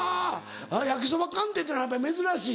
焼きそば寒天っていうのはやっぱり珍しい？